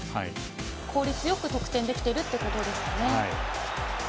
効率よく得点できているということですかね。